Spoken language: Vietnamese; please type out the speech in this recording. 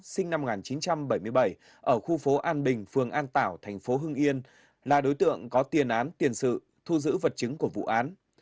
sinh năm một nghìn chín trăm bảy mươi bảy ở khu phố an bình phường an tảo thành phố hưng yên là đối tượng có tiền án tiền sự thu giữ vật chứng của vụ án